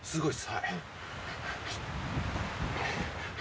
はい。